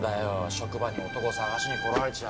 職場に男探しに来られちゃ。